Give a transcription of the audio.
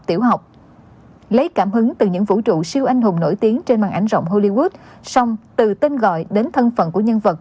tiếp tục là các tin tức giao thông đáng chú ý